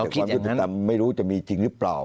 แต่ไม่รู้จะมีธรรมจริงหรือเปล่า